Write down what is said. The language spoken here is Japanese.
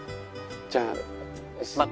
じゃあまた。